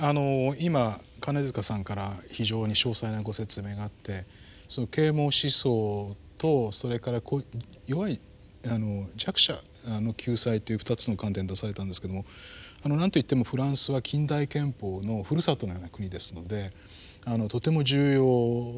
今金塚さんから非常に詳細なご説明があって啓蒙思想とそれから弱い弱者の救済という２つの観点出されたんですけどもなんと言ってもフランスは近代憲法のふるさとのような国ですのでとても重要だと思います。